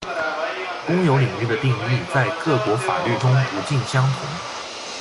公有领域的定义在各国法律中不尽相同